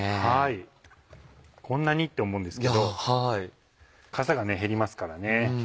こんなに？って思うんですけどかさが減りますからね。